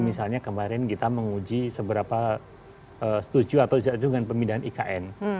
misalnya kemarin kita menguji seberapa setuju atau jatuh dengan pemindahan ikn